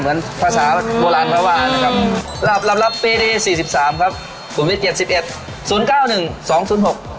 เหมือนภาษาโบราณเมื่อวานนะครับรับรับรับปีดีสี่สิบสามครับ